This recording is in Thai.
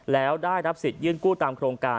แล้วได้รับสิทธิยื่นกู้ตามโครงการ